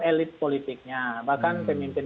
elit politiknya bahkan pemimpin